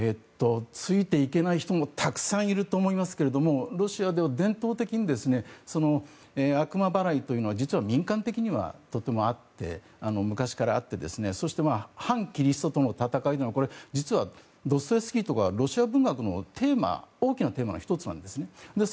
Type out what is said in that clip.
ついていけない人もたくさんいると思いますけどもロシアでは伝統的に悪魔払いというのは実は民間的には昔からあって反キリストとの戦いはドストエフスキーとかロシア文学の大きなテーマの１つなんです。